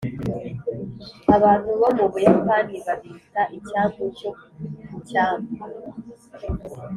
abantu bo mu buyapani babita “icyambu cyo ku cyambu.”